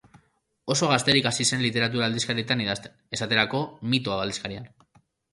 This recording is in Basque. Oso gazterik hasi zen literatura aldizkarietan idazten, esaterako, Mito aldizkarian.